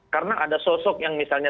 karena ada sosok yang misalnya